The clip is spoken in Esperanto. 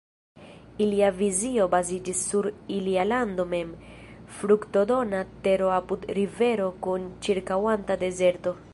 Ilia vizio baziĝis sur ilia lando mem, fruktodona tero apud rivero kun ĉirkaŭanta dezerto.